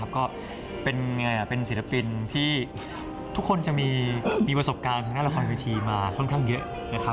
ก็เป็นศิลปินที่ทุกคนจะมีประสบการณ์ทางด้านละครเวทีมาค่อนข้างเยอะนะครับ